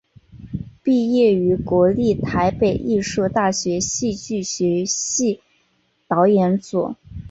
毕业于国立台北艺术大学戏剧学系导演组。